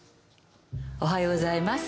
おはようございます。